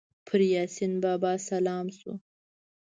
پر یاسین بابا سلام سو